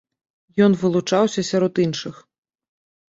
Ён вылучаўся сярод іншых.